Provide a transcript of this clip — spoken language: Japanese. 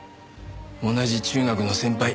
同じ中学の先輩。